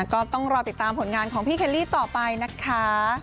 ก็ต้องรอติดตามผลงานของพี่เคลลี่ต่อไปนะคะ